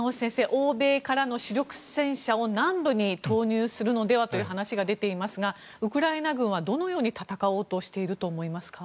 欧米からの主力戦車を南部に投入するのではという話が出ていますがウクライナ軍はどのように戦おうとしていると思いますか？